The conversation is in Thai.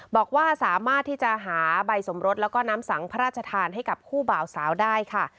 บอกว่าสามารถที่จะหาใบสมรสแล้วก็น้ำสังพระราชทานให้กับคู่บ่าวสาวได้ค่ะ